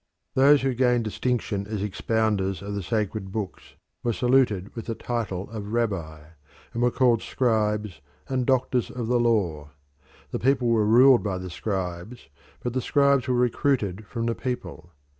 Those who gained distinction as expounders of the sacred books were saluted with the title of rabbi, and were called scribes and doctors of the law. The people were ruled by the scribes, but the scribes were recruited from the people.